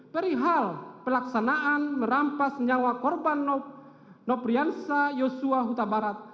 perihal pelaksanaan merampas nyawa korban nopiansa yosua kutabarat